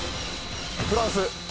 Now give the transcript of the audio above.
フランス。